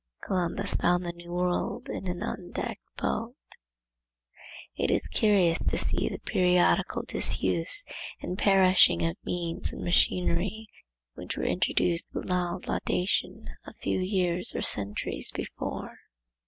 Columbus found the New World in an undecked boat. It is curious to see the periodical disuse and perishing of means and machinery which were introduced with loud laudation a few years or centuries before.